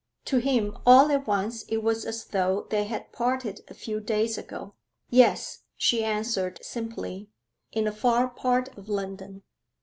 To him all at once it was as though they had parted a few days ago. 'Yes,' she answered simply. 'In a far part of London.'